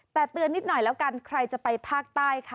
แต่เตือนนิดหน่อยแล้วกันใครจะไปภาคใต้ค่ะ